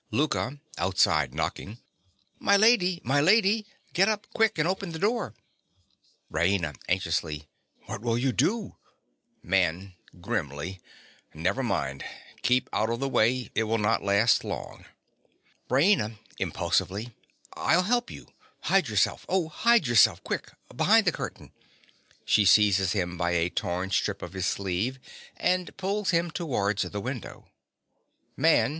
_) LOUKA. (outside, knocking). My lady, my lady! Get up, quick, and open the door. RAINA. (anxiously). What will you do? MAN. (grimly). Never mind. Keep out of the way. It will not last long. RAINA. (impulsively). I'll help you. Hide yourself, oh, hide yourself, quick, behind the curtain. (She seizes him by a torn strip of his sleeve, and pulls him towards the window.) MAN.